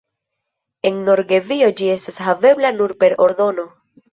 En Norvegio ĝi estas havebla nur per ordono.